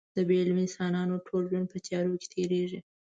د بې علمه انسانانو ټول ژوند په تیارو کې تېرېږي.